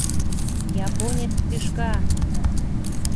Японец тӱшка!